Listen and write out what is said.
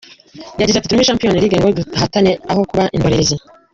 Yagize ati “ Turi muri champions league ngo duhatana aho kuba indorerezi.